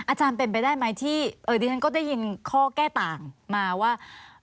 อาจารย์เป็นไปได้ไหมที่ดิฉันก็ได้ยินข้อแก้ต่างมาว่า